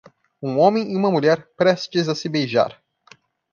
um homem e uma mulher prestes a se beijar